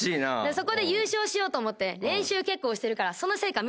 そこで優勝しようと思って練習結構してるからその成果見てほしいんだよね。